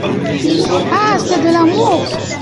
Ah ! c’est de l’amour !